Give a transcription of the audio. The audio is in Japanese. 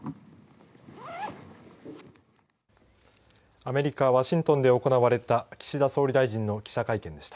アメリカ・ワシントンで行われた岸田総理大臣の記者会見でした。